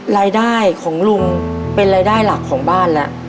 รายได้ของลุงเป็นรายได้หลักของบ้านแล้ว